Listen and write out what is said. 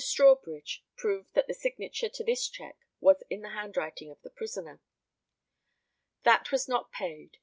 Strawbridge proved that the signature to this cheque was in the handwriting of the prisoner.] That was not paid.